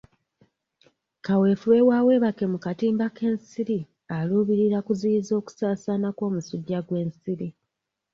Kaweefube wa webake mu katimba k'ensiri aluubirira kuziyiza okusaasaana kw'omusujja gw'ensiri.